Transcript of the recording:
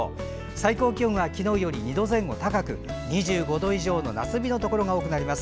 最高気温は昨日より２度前後高く２５度以上の夏日のところが多くなります。